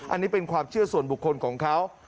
อันนี้เป็นความเชื่อส่วนบุคคลของเขา